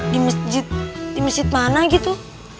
di masjid di masjid mana gitu